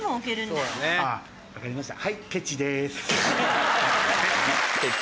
分かりましたはい。